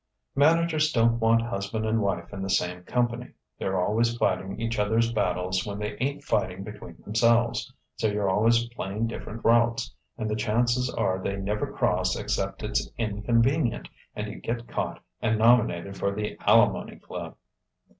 "Managers don't want husband and wife in the same company. They're always fighting each other's battles when they ain't fighting between themselves. So you're always playing different routes, and the chances are they never cross except it's inconvenient and you get caught and nominated for the Alimony Club."